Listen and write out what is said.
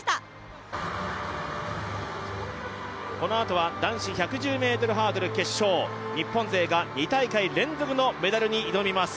このあとは男子１１０ｍハードル決勝日本勢が２大会連続のメダルに挑みます。